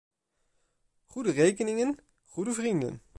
Goede rekeningen, goede vrienden!